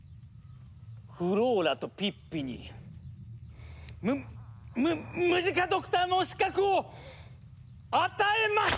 フローラとピッピにムムムジカドクターの資格を与えます！